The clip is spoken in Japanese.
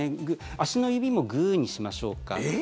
足の指もグーにしましょうか。